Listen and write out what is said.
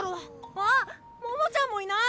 あっももちゃんもいない！